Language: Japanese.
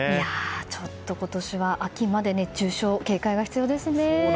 ちょっと今年は秋まで熱中症に警戒が必要ですね。